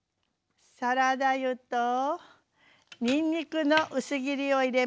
サラダ油とにんにくの薄切りを入れましょうか。